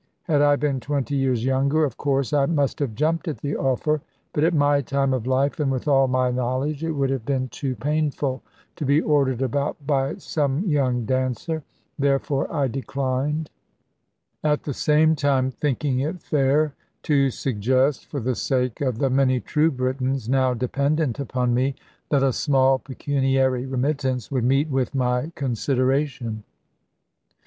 Had I been twenty years younger, of course, I must have jumped at the offer; but at my time of life, and with all my knowledge, it would have been too painful to be ordered about by some young dancer; therefore I declined; at the same time thinking it fair to suggest, for the sake of the many true Britons now dependent upon me, that a small pecuniary remittance would meet with my consideration.